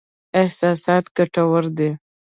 احساسات ګټور دي.